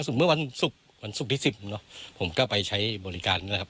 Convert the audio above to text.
เมื่อวันศุกร์วันศุกร์ที่สิบเนอะผมก็ไปใช้บริการนะครับ